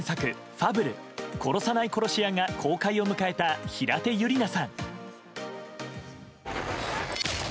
「ファブル殺さない殺し屋」が公開を迎えた平手友梨奈さん。